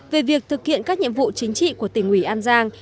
về việc thực hiện các nhiệm vụ chính trị của tỉnh ủy an giang